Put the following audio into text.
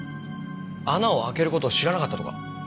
穴を開ける事を知らなかったとか？